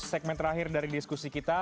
segmen terakhir dari diskusi kita